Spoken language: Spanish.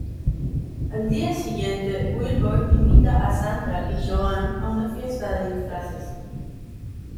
Al día siguiente, Wilbur invita a Sandra y Joan a una fiesta de disfraces.